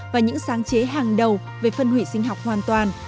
và những sáng chế hàng đầu về phân hủy sinh học hoàn toàn